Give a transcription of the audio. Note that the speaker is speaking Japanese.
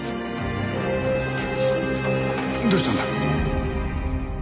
どうしたんだ？